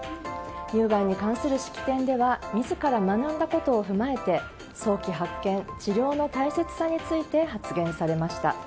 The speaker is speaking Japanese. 乳がんに関する式典では自ら学んだことを踏まえて早期発見、治療の大切さについて発言されました。